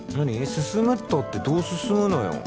進むったってどう進むのよ